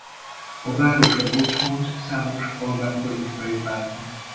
A város ad otthont számos albán politikai pártnak.